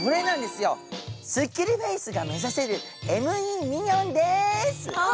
すっきりフェースが目指せるＭＥミニョンでーす。